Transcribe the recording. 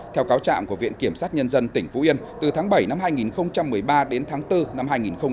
theo cáo trạng của viện kiểm sát nhân dân tỉnh phú yên từ tháng bảy năm hai nghìn một mươi ba đến tháng bốn năm hai nghìn một mươi bảy